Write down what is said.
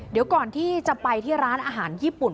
เดี๋ยวก่อนที่จะไปที่ร้านอาหารญี่ปุ่น